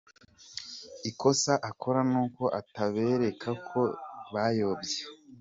Ikosa akora nuko atabereka ko bayobye.